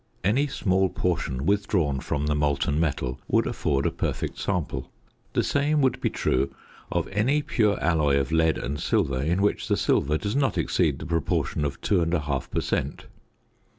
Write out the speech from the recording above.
Any small portion withdrawn from the molten metal would afford a perfect sample. The same would be true of any pure alloy of lead and silver in which the silver does not exceed the proportion of 2 1/2 per cent.